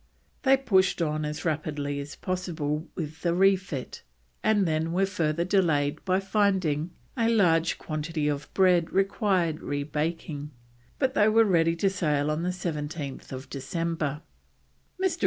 They pushed on as rapidly as possible with the refit, and then were further delayed by finding a large quantity of the bread required rebaking, but they were ready to sail by 17th December. Mr.